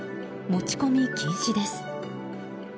持ち込み禁止です。